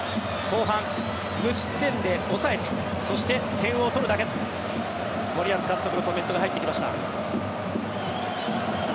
後半、無失点で抑えてそして、点を取るだけと森保監督のコメントが入ってきました。